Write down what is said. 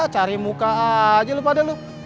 cari muka aja lu pada lu